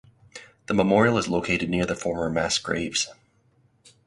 The memorial is located near the former mass graves.